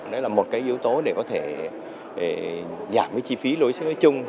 đó là một cái yếu tố để có thể giảm cái chi phí lối xế nói chung